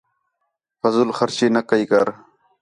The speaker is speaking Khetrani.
فضول خرچی نہ کَئی کر